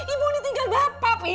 ibu ditinggal bapak pi